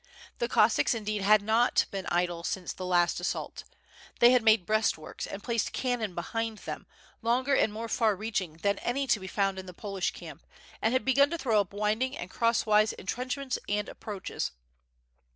The Cossacks in deed had not been idle since the last assault. They had made breastworks and placed cannon behind them, longer and more far reaching than any to be found in the Polish camp, and had begun to throw up winding and crosswise en trenchments and approaches.